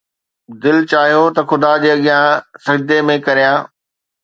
دل چاهيو ته خدا جي اڳيان سجدي ۾ ڪريان